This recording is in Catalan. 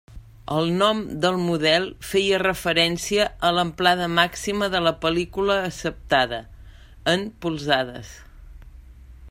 El nom del model feia referència a l'amplada màxima de la pel·lícula acceptada, en polzades.